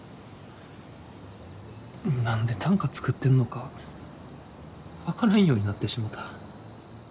何で、短歌作ってんのか分からんようになってしもた。